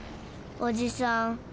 おじさん